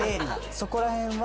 そこら辺は。